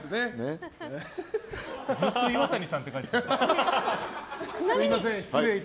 ずっと岩谷さんって書いてた。